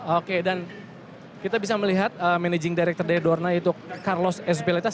oke dan kita bisa melihat managing director dari dorna yaitu carlos ezpilitas